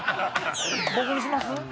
僕にします？